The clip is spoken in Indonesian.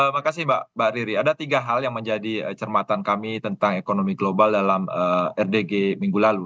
makasih mbak riri ada tiga hal yang menjadi cermatan kami tentang ekonomi global dalam rdg minggu lalu